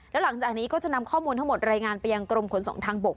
แล้วหลังจากนี้ก็จะนำข้อมูลทั้งหมดรายงานไปยังกรมขนส่งทางบก